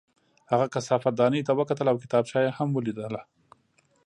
هغه کثافت دانۍ ته وکتل او کتابچه یې هم ولیده